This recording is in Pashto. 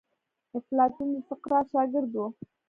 افلاطون د سقراط شاګرد وو.